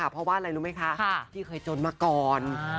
เพราะว่าอะไรรู้ไหมคะที่เคยจนมาก่อน